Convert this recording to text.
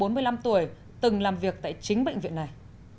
người đàn ông bốn mươi năm tuổi từng làm việc tại chính bệnh viện này